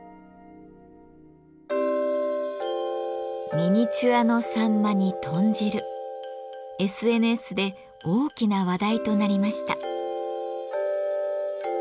ミニチュアのサンマに豚汁ＳＮＳで大きな話題となりました。